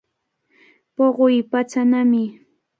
Puquy patsanami.